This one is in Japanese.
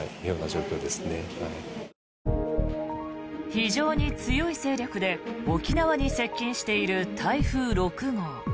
非常に強い勢力で沖縄に接近している台風６号。